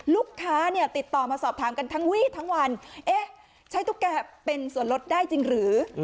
ลูกค้าเนี่ยติดต่อมาสอบถามกันทั้งวี่ทั้งวันเอ๊ะใช้ตุ๊กแกเป็นส่วนลดได้จริงหรือ